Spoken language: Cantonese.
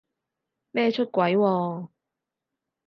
咩出軌喎？